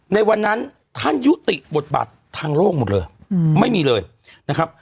ในวันนั้นท่านยุติบทบาททางโลกหมดเลยไม่มีเลยนะครับ